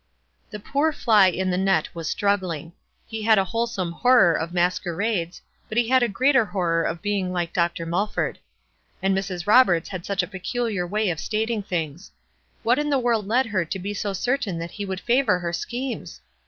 The poor fly in the net w T as struggling. He bad a wholesome horror of masquerades, but he bad a greater horror of being like Dr. Mulford. And Mrs. Roberts had such a peculiar way of stating things. What in the world led her to be so certain that he would favor her schemes?